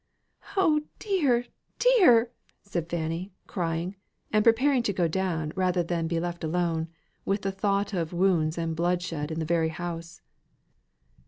"Oh, dear, dear!" said Fanny, crying, and preparing to go down rather than be left alone, with the thought of wounds and bloodshed in the very house.